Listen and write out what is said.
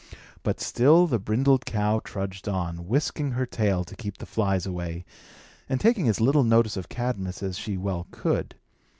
But still the brindled cow trudged on, whisking her tail to keep the flies away, and taking as little notice of Cadmus as she well could.